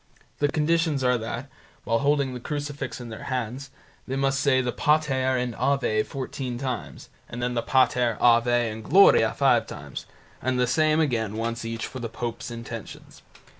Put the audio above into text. The conditions are that, whilst holding the crucifix in their hands, they must say the "Pater" and "Ave" fourteen times, then the "Pater", "Ave", and "Gloria" five times, and the same again once each for the pope's intentions.